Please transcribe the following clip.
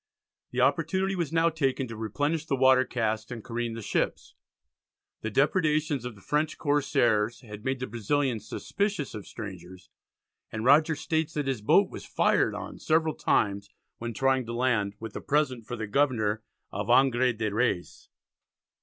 The opportunity was now taken to replenish the water casks, and careen the ships. The depredations of the French corsairs had made the Brazilians suspicious of strangers, and Rogers states that his boat was fired on several times when trying to land "with a present for the Governor of Angre de Reys."